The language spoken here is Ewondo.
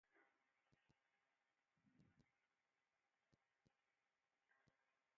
E ban bisədəga bə tə vaa ai fim bi sə kig ai nfi asu minfas mi dɔbədɔ.